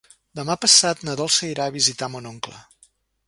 Demà passat na Dolça irà a visitar mon oncle.